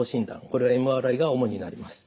これはＭＲＩが主になります。